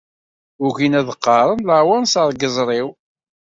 Ugin ad qqaren laɛwanṣer n yiẓri-w.